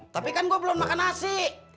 tapi kan gue belum makan nasi